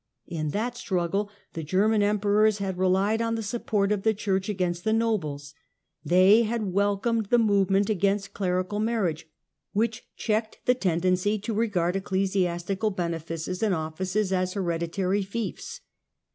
In that struggle, the German Emperors had relied on the support of the Church against the nobles. They had welcomed the movement against clerical marriage, which checked the tendency to regard ecclesiastical bene fices and offices as hereditary fiefs.